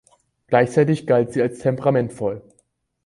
Gleichzeitig galt sie als temperamentvoll.